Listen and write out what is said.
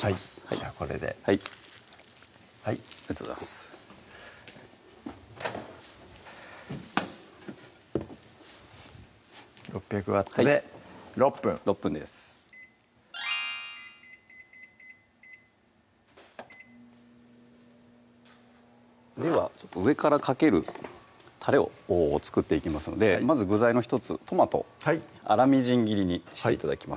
じゃあこれではいはいありがとうございます６００Ｗで６分６分ですでは上からかけるたれを作っていきますのでまず具材の１つトマト粗みじん切りにして頂きます